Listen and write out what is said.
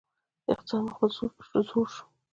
اقتصاد مخ په ځوړ شو